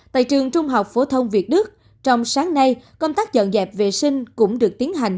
tại trường trung học phổ thông việt đức trong sáng nay công tác dọn dẹp vệ sinh cũng được tiến hành